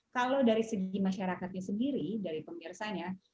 kalau dari segi masyarakatnya sendiri dari pemirsanya